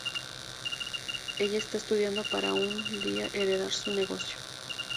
Ella está estudiando para un día heredar su negocio.